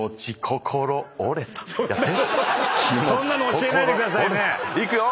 そんなの教えないでください。いくよ。